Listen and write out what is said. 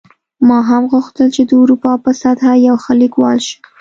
ما هم غوښتل چې د اروپا په سطحه یو ښه لیکوال شم